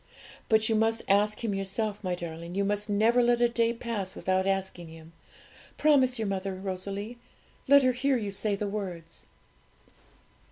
But you must ask Him yourself, my darling; you must never let a day pass without asking Him: promise your mother, Rosalie let her hear you say the words.'